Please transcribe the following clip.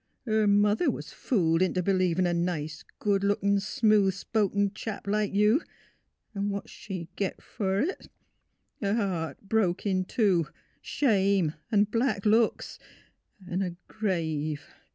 Her mother was fooled int' b'lievin' a nice, good lookin,' smooth spoken chap like you ; an ' what 'd she git f er it ? A heart broke in two, shame an' black looks, an' — a grave.